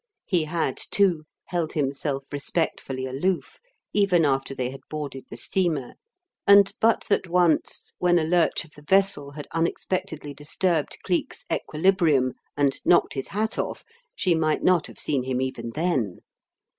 He had, too, held himself respectfully aloof even after they had boarded the steamer; and, but that once, when a lurch of the vessel had unexpectedly disturbed Cleek's equilibrium and knocked his hat off, she might not have seen him even then.